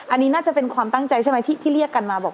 อันนี้น่าจะเป็นความตั้งใจใช่ไหมที่เรียกกันมาบอก